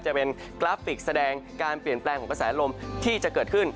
จะเป็นกราฟิกแสดงการเปลี่ยนแปลงของกระแสลมที่จะเกิดขึ้น